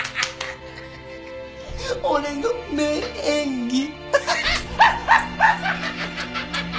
俺の名演技。